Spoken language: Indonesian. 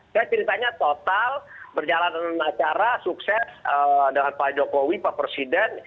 saya ceritanya total perjalanan acara sukses dengan pak jokowi pak presiden